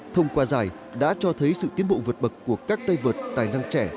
thông qua giải đã cho thấy sự tiến bộ vượt bậc của các tay vợt tài năng trẻ